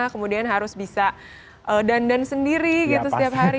kemudian harus bisa dandan sendiri gitu setiap hari